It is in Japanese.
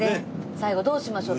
最後どうしましょう？